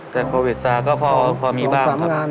แต่โควิดซาก็พอมีบ้างครับ